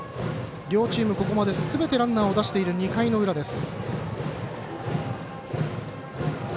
両チーム、ここまですべてランナーを出している２回の裏です。